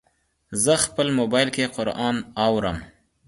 زه خپل موبایل کې قرآن اورم.